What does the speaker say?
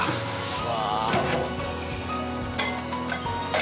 うわ。